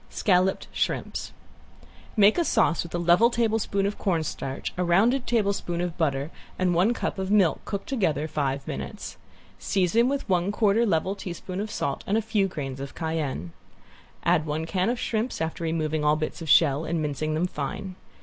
~SCALLOPED SHRIMPS~ Make a sauce with a level tablespoon of cornstarch, a rounding tablespoon of butter and one cup of milk cooked together five minutes. Season with one quarter level teaspoon of salt and a few grains of cayenne. Add one can of shrimps after removing all bits of shell and mincing them fine.